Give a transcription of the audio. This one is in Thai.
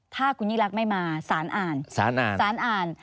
ถ้าคุณยิ่งรักไม่มาสารอ่านสารอ่านสารอ่าน